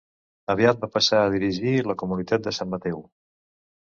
Aviat va passar a dirigir la comunitat de Sant Mateu.